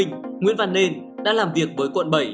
nguyễn văn nên đã làm việc với quận bảy